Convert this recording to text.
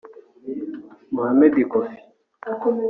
Mohamed Koffi